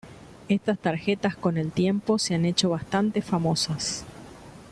Estas tarjetas con el tiempo se han hecho bastante famosas.